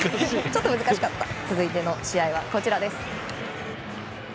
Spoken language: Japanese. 続いての試合は、こちらです。